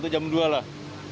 satu jam dua lah